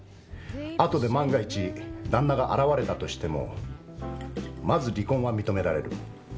あとで万が一旦那が現れたとしてもまず離婚は認められる。